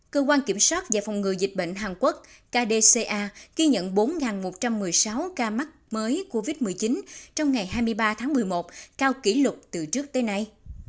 cơ quan kiểm soát và phòng ngừa dịch bệnh hàn quốc kdca ghi nhận bốn một trăm một mươi sáu ca mắc mới covid một mươi chín trong ngày hai mươi ba tháng một mươi một cao kỷ lục từ trước tới nay